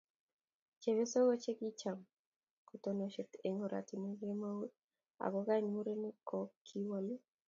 chepyosok che kicham kotononsot eng' ortinwek kemoi aku kany murenik ko kiwolu